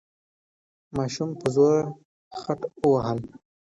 ماشوم په زوره خټ وهل.